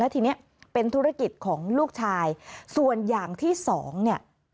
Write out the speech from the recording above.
ทีนี้เป็นธุรกิจของลูกชายส่วนอย่างที่สองเนี่ย